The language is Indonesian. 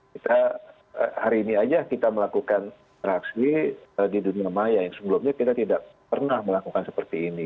kita hari ini aja kita melakukan reaksi di dunia maya yang sebelumnya kita tidak pernah melakukan seperti ini